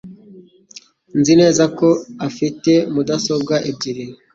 Nzi neza ko afite mudasobwa ebyiri.